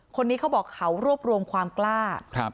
คนนี้เขาบอกเขารวบรวมความกล้า